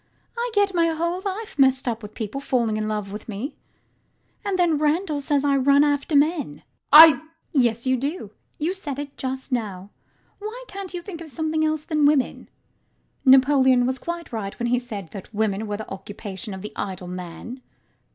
I get my whole life messed up with people falling in love with me. And then Randall says I run after men. RANDALL. I LADY UTTERWORD. Yes you do: you said it just now. Why can't you think of something else than women? Napoleon was quite right when he said that women are the occupation of the idle man.